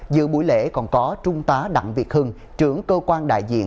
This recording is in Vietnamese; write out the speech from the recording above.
dự buổi lễ còn có trung tá đặng việt hưng trưởng cơ quan đại diện